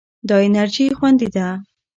دا انرژي خوندي ده.